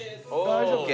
大丈夫。